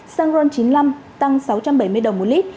xăng ron chín mươi năm tăng sáu trăm bảy mươi đồng một lít